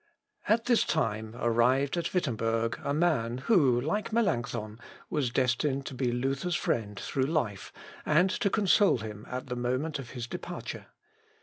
(L. Ep. i, p. 567.) At this time arrived at Wittemberg a man who, like Melancthon, was destined to be Luther's friend through life, and to console him at the moment of his departure.